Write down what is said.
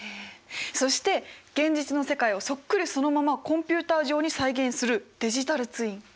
そして現実の世界をそっくりそのままコンピューター上に再現するデジタルツイン。